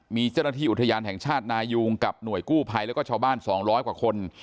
มีเจ้าหน้าที่อุทยานแห่งชาตินายุงกับหน่วยกู้ภัยแล้วก็ชาวบ้าน๒๐๐กว่าคน